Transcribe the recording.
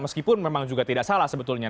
meskipun memang juga tidak salah sebetulnya